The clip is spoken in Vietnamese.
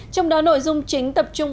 trong đó nội dung chính tập trung